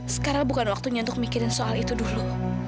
sekarang bukan waktunya untuk mikirin soal itu dulu